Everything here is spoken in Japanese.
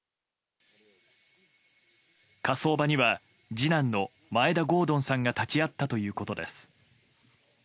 火葬場には次男の眞栄田郷敦さんが立ち会ったということです。